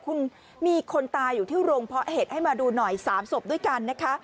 คุณมีคนตายอยู่ที่โรงเพาะเห็ดให้มาดูหน่อย๓ศพด้วยกันนะคะ